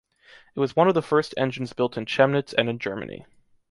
It was one of the first engines built in Chemnitz and in Germany.